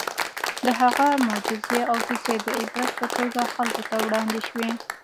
د هغه معجزې او کیسې د عبرت په توګه خلکو ته وړاندې شوي.